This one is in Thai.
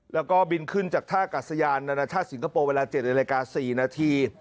แล้วก็บินขึ้นจากท่ากัศยานนานาชาติสิงคโปร์เวลา๗นาฬิกา๔นาที